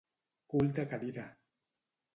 Cul de cadira.